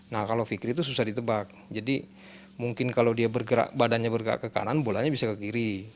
nah kalau fikri itu susah ditebak jadi mungkin kalau dia bergerak badannya bergerak ke kanan bolanya bisa ke kiri